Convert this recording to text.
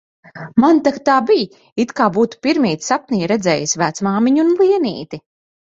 Man tak tā bij, it kā būtu pirmīt sapnī redzējis vecmāmiņu un Lienīti